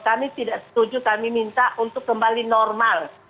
kami tidak setuju kami minta untuk kembali normal